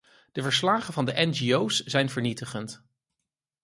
De verslagen van ngo's zijn vernietigend.